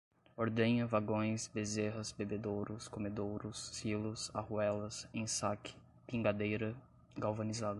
ordenha, vagões, bezerras, bebedouros, comedouros, silos, arruelas, ensaque, pingadeira, galvanizado